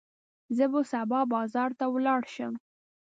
زه به سبا بازار ته ولاړ شم.